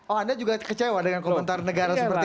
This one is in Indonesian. oh anda juga kecewa dengan komentar negara seperti ini